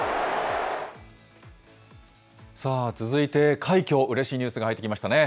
さあ、続いて快挙、うれしいニュースが入ってきましたね。